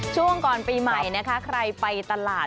ช่วงก่อนปีใหม่นะคะใครไปตลาด